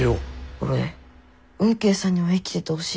俺吽慶さんには生きててほしい。